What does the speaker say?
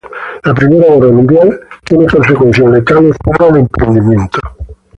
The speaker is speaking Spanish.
La Primera Guerra Mundial tiene consecuencias letales para el emprendimiento.